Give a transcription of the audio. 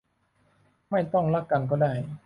ไม่ต้องรักกันก็ได้